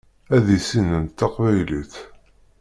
Ad issinent taqbaylit.